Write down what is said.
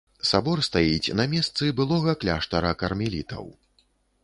Сабор стаіць на месцы былога кляштара кармелітаў.